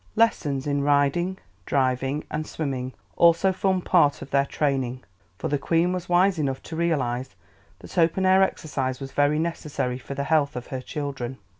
Lessons in riding, driving, and swimming also formed part of their training, for the Queen was wise enough to realize that open air exercise was very necessary for the health of her children.